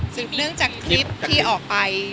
ซึ่งเรื่องจากคลิปที่ออกไป